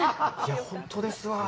本当ですわ。